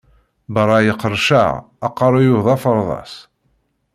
Berraɣ qerrceɣ, aqerru-w d aferḍas!